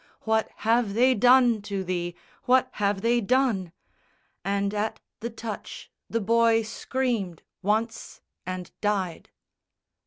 "What have they done to thee, what have they done?" And at the touch the boy screamed, once, and died.